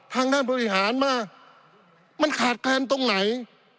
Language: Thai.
ทางด้านบริหารว่ามันขาดแคลนตรงไหน